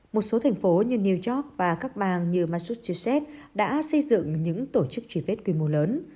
một số thành phố như new york và các bang như masusticet đã xây dựng những tổ chức truy vết quy mô lớn